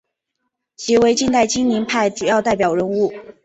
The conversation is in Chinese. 其为近代金陵派主要代表人物。